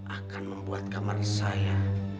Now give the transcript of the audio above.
akan membuat kamar saya